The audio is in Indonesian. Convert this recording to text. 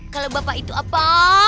kalau bapak itu apa